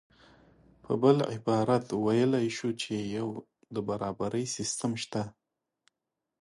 په بل عبارت ویلی شو چې یو د برابرۍ سیستم شته